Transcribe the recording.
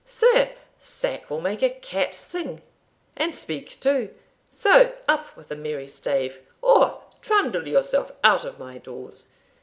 Sir, sack will make a cat sing, and speak too; so up with a merry stave, or trundle yourself out of my doors!